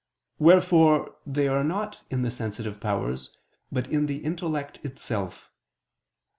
Wherefore they are not in the sensitive powers, but in the intellect itself.